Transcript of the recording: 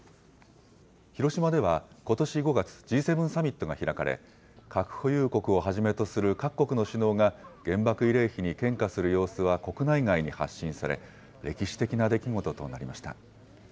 広島ではことし５月、Ｇ７サミットが開かれ、核保有国をはじめとする各国の首脳が原爆慰霊碑に献花する様子は国内外に発信され、歴史的な出来事となりました。